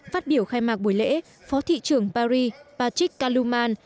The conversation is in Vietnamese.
phát biểu khai mạc buổi lễ phó thị trưởng paris patrick kaluman